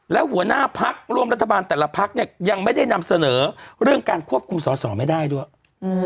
และหัวหน้าพักร่วมรัฐบาลแต่ละพักเนี่ยยังไม่ได้นำเสนอเรื่องการควบคุมสอสอไม่ได้ด้วยอืม